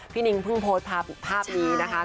นิงเพิ่งโพสต์ภาพนี้นะคะ